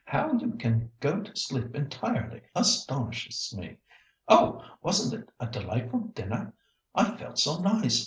"How you can go to sleep entirely astonishes me. Oh! wasn't it a delightful dinner? I felt so nice.